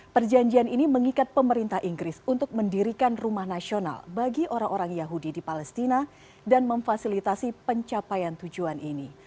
perjanjian ini mengikat pemerintah inggris untuk mendirikan rumah nasional bagi orang orang yahudi di palestina dan memfasilitasi pencapaian tujuan ini